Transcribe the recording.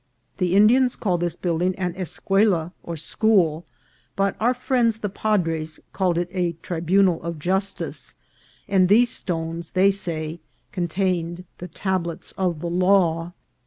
The Indians call this building an es cuela or school, but our friends the padres called it a tribunal of justice, and these stones, they said, contain ed the tables of the law.